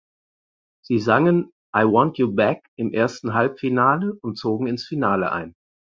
Sie sangen "I Want You Back" im ersten Halbfinale und zogen ins Finale ein.